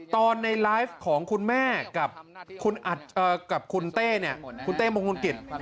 ตอนในไลฟ์ของคุณแม่กับคุณเต้มงคลกิจ